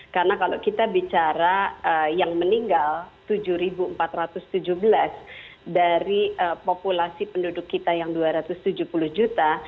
karena kalau kita bicara yang meninggal tujuh empat ratus tujuh belas dari populasi penduduk kita yang dua ratus tujuh puluh juta